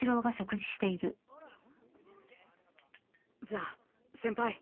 じゃあ先輩。